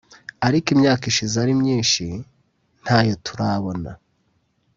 ariko imyaka ishize ari myinshi ntayo turabona